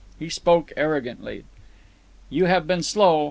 He spoke arrogantly. "You have been slow.